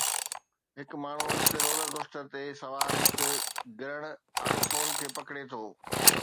هڪ ماڻهو هڪ رولر ڪوسٽر تي سوار هڪ گرڻ آئي فون کي پڪڙي ٿو